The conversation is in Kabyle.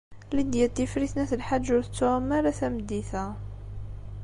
Lidya n Tifrit n At Lḥaǧ ur tettɛumu ara tameddit-a.